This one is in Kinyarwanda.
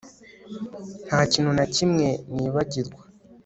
Nta kintu na kimwe nibagirwa